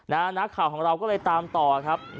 นักข่าวของเราก็เลยตามต่อครับ